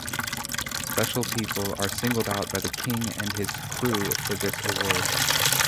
Special people are singled out by the king and his "Krewe" for this award.